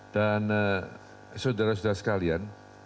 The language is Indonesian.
dan saudara saudara sekalian